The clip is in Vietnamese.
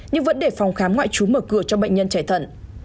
nhưng vẫn để phòng khám ngoại trú mở cửa cho bệnh nhân chạy thận